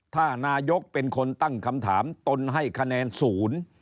ถ้านายกเป็นคนตั้งคำถามตนให้คะแนนศูนย์